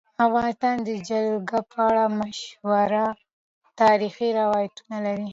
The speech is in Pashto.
افغانستان د جلګه په اړه مشهور تاریخی روایتونه لري.